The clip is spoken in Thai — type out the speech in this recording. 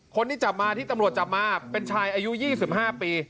คนที่จับมาที่ตำรวจจับมาเป็นชายอายุ๒๕ปี